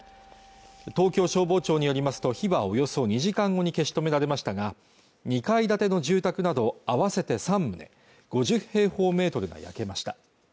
東京消防庁によりますと火はおよそ２時間後に消し止められましたが２階建ての住宅など合わせて三棟５０平方メートルが焼けました